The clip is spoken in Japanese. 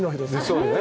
そうね。